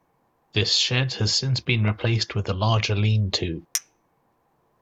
This shed has since been replaced with a larger lean-to.